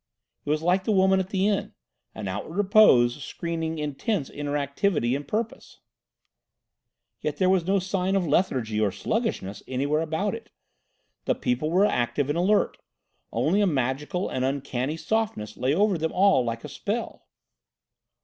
It was like the woman at the inn—an outward repose screening intense inner activity and purpose. "Yet there was no sign of lethargy or sluggishness anywhere about it. The people were active and alert. Only a magical and uncanny softness lay over them all like a spell."